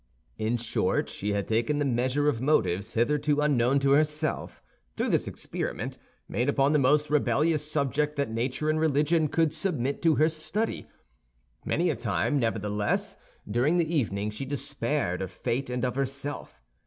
In short, she had taken the measure of motives hitherto unknown to herself, through this experiment, made upon the most rebellious subject that nature and religion could submit to her study. Many a time, nevertheless, during the evening she despaired of fate and of herself.